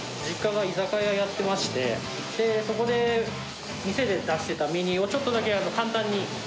実家が居酒屋やってまして、そこで、店で出してたメニューをちょっとだけ簡単に。